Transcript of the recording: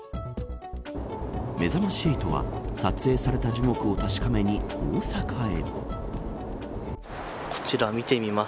めざまし８は、撮影された樹木を確かめに大阪へ。